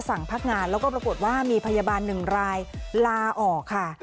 สั่งพักงานแล้วก็ปรากฏว่ามีพยาบาล๑รายลาอ่อ